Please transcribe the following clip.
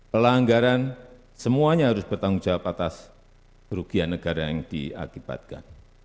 pelanggaran semuanya harus bertanggung jawab atas kerugian negara yang diakibatkan